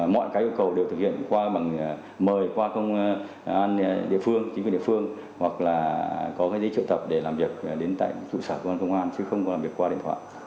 mọi cái yêu cầu đều thực hiện qua bằng mời qua công an địa phương chính quyền địa phương hoặc là có cái giấy trợ tập để làm việc đến tại trụ sở của công an chứ không có làm việc qua điện thoại